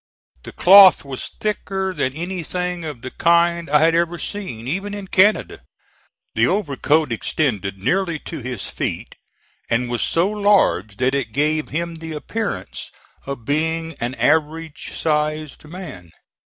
The cloth was thicker than anything of the kind I had ever seen, even in Canada. The overcoat extended nearly to his feet, and was so large that it gave him the appearance of being an average sized man.